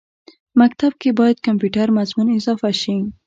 مکتب کښې باید کمپیوټر مضمون اضافه شي